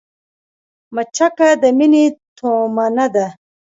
مچکه د مينې تومنه ده